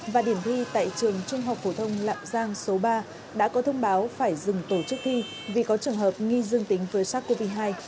và điểm thi tại trường trung học phổ thông lạng giang số ba đã có thông báo phải dừng tổ chức thi vì có trường hợp nghi dương tính với sars cov hai